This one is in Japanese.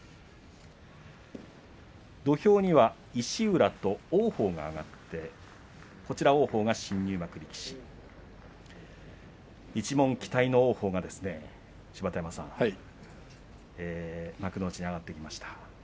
土俵には石浦と王鵬が上がって王鵬が新入幕力士一門期待の王鵬が幕内に上がってきました。